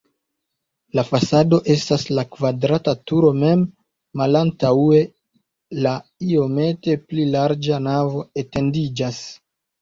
La fasado estas la kvadrata turo mem, malantaŭe la iomete pli larĝa navo etendiĝas.